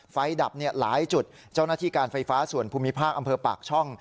ดับหลายจุดเจ้าหน้าที่การไฟฟ้าส่วนภูมิภาคอำเภอปากช่อง